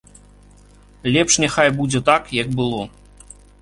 Лепш няхай будзе так, як было.